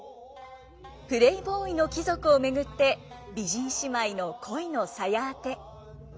プレーボーイの貴族を巡って美人姉妹の恋のさや当て。